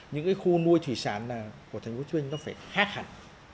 những cái khu nuôi thủy sản của thành phố hồ chí minh nó phải khác hẳn